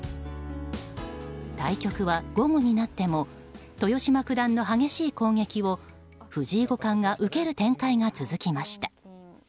対局は午後になっても豊島九段の激しい攻撃を藤井五冠が受ける展開が続きました。